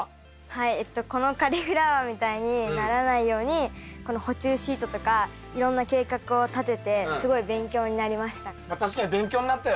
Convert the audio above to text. はいえっとこのカリフラワーみたいにならないようにこの捕虫シートとかいろんな計画を立ててすごい勉強になりました。